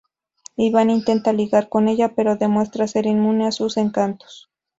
Ivan intenta ligar con ella, pero demuestra ser inmune a sus encantos.